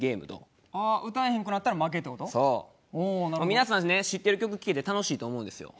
皆さんね知ってる曲聴けて楽しいと思うんですよ。